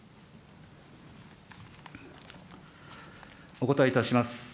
お答えいたします。